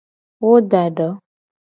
Wo da do.